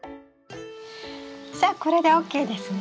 さあこれでＯＫですね。